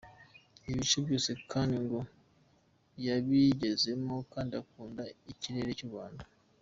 Ibi bice byose kandi ngo yabigezemo kandi akunda ikirere cy’u Rwanda.